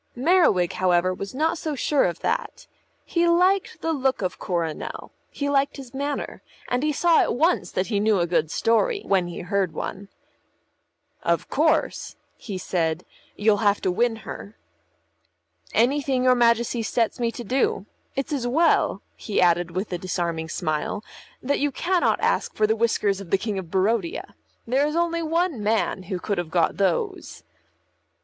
Merriwig, however, was not so sure of that. He liked the look of Coronel, he liked his manner, and he saw at once that he knew a good story when he heard one. "Of course," he said, "you'll have to win her." "Anything your Majesty sets me to do. It's as well," he added with a disarming smile, "that you cannot ask for the whiskers of the King of Barodia. There is only one man who could have got those."